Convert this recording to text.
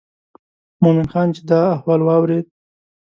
مومن خان چې دا احوال واورېد.